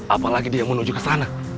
apalagi dia menuju kesana